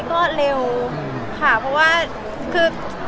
ก็เรียวค่ะ